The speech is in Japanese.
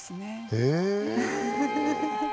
へえ！